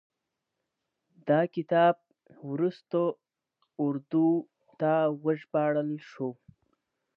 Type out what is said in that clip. دا کتاب وروستو اردو ته وژباړل شو.